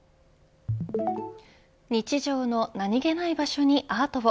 日常の何気ない場所にアートを。